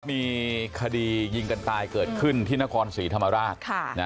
มีคดียิงกันตายเกิดขึ้นที่นครศรีธรรมราช